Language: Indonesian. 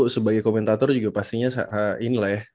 lu sebagai komentator juga pastinya ini lah ya